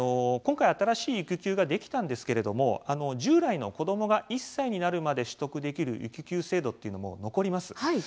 今回、新しい育休ができたんですけれども従来の、子どもが１歳になるまで取得できる育休制度というのも残ります。